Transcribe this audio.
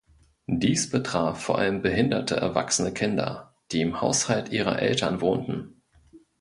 Dies betraf vor allem behinderte erwachsene Kinder, die im Haushalt ihrer Eltern wohnten.